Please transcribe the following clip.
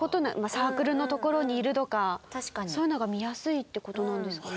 サークルのところにいるとかそういうのが見やすいって事なんですかね？